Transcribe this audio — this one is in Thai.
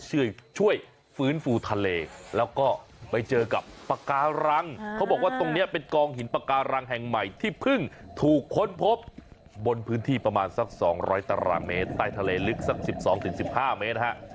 ช่วยฟื้นฟูทะเลแล้วก็ไปเจอกับปากการังเขาบอกว่าตรงนี้เป็นกองหินปาการังแห่งใหม่ที่เพิ่งถูกค้นพบบนพื้นที่ประมาณสัก๒๐๐ตารางเมตรใต้ทะเลลึกสัก๑๒๑๕เมตรฮะ